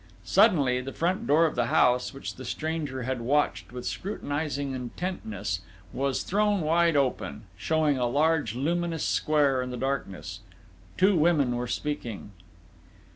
Suddenly, the front door of the house, which the stranger had watched with scrutinising intentness, was thrown wide open, showing a large, luminous square in the darkness. Two women were speaking.